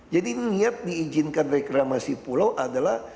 jadi niat diijinkan reklamasi pulau adalah